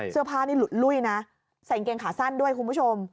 เสื้อผ้านี่หลุดลุ้ยนะใส่กางเกงขาสั้นด้วยคุณผู้ชม